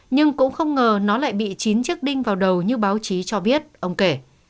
nhưng cũng không ngờ nó lại bị chín chiếc đinh vào đầu như báo chí cho biết ông kể